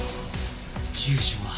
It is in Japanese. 住所は。